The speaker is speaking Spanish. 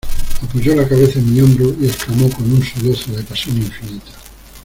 apoyó la cabeza en mi hombro, y exclamó con un sollozo de pasión infinita: